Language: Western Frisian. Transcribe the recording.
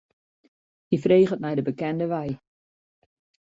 Hy freget nei de bekende wei.